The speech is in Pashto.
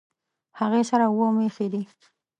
هغې سره اووه مېښې دي